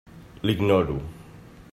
L'ignoro.